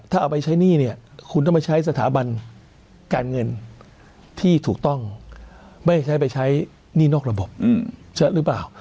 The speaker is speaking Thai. ถ้าเอาไปใช้หนี้เนี่ยคุณต้องมาใช้สถาบันการเงินที่ถูกต้องไม่ใช้ไปใช้หนี้นอกระบบเยอะหรือเปล่า